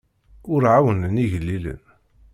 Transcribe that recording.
Ur ɛawnen igellilen.